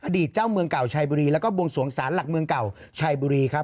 เจ้าเมืองเก่าชัยบุรีแล้วก็บวงสวงศาลหลักเมืองเก่าชัยบุรีครับ